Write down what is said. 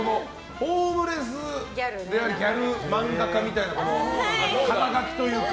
ホームレスギャル漫画家みたいな肩書というか。